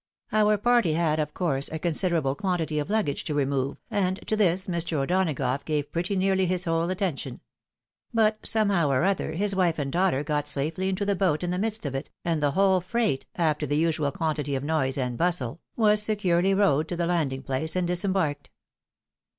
Our party had, of course, a considerable quantity of luggage to remove, and to this Mr. O'Donagough gave pretty nearly his whole attention ; but somehow or other, his wife and daughter got safely into the boat in the midst of it, and the whole freight, after the usual quantity of noise and bustle, was securely rowed to the landing place and disembarked.